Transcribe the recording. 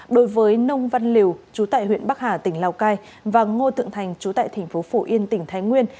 đối với nông văn liều chú tại huyện bắc hà tỉnh lào cai và ngô thượng thành chú tại tp phủ yên tỉnh thái nguyên